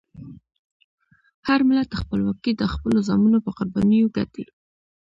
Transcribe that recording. هر ملت خپلواکي د خپلو زامنو په قربانیو ګټي.